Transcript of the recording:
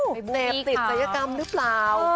เช่าเน็ตติดศัยกรรมหรือเปล่า